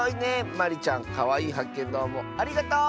まりちゃんかわいいはっけんどうもありがとう！